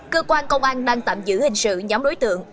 cơ quan công an đang tạm giữ hình sự nhóm đối tượng